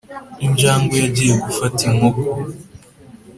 injangwe yagiye gufata inkoko